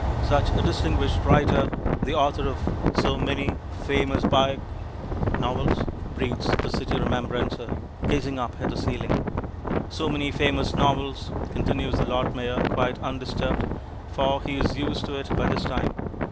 "Such a distinguished writer. The author of so many famous biog " "Novels," breathes the City Remembrancer, gazing up at the ceiling. "So many famous novels," continues the Lord Mayor quite undisturbed, for he is used to it by this time.